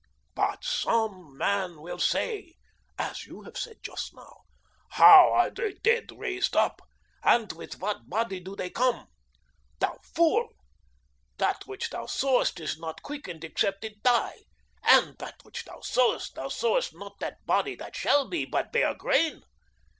'But some man will say' as you have said just now 'How are the dead raised up? And with what body do they come? Thou fool! That which thou sowest is not quickened except it die, and that which thou sowest, thou sowest not that body that shall be, but bare grain.